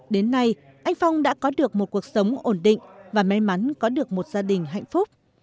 đến nay anh phong đã có được một cuộc sống ổn định và may mắn có được một gia đình hạnh phúc